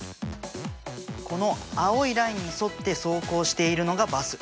この青いラインに沿って走行しているのがバス。